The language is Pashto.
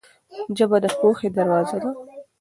ژبه د پوهې دروازه ده.